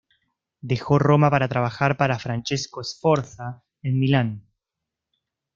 Dejó Roma para trabajar para Francesco Sforza en Milán.